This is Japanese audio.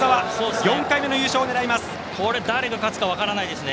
４回目の優勝を狙います。